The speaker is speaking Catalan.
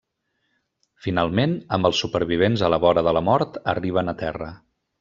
Finalment, amb els supervivents a la vora de la mort, arriben a terra.